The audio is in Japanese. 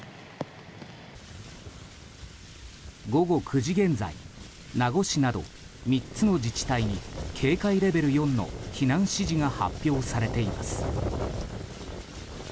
午後９時現在名護市など３つの自治体に警戒レベル４の避難指示が発表されています。